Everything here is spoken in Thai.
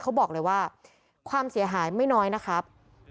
เขาบอกเลยว่าความเสียหายไม่น้อยนะครับ